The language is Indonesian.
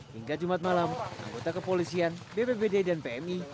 hingga jumat malam anggota kepolisian bpbd dan pmi